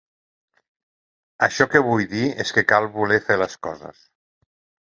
Això que vull dir és que cal voler fer les coses.